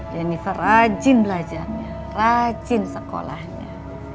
jennifer rajin belajar rajin sekolahnya